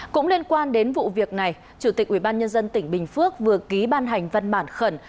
cũng liên quan đến vụ việc này chủ tịch ubnd tỉnh bình phước vừa ký ban hành văn bản khẩn